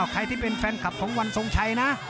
ใครที่เป็นแฟนคลับของวันทรงชัยนะ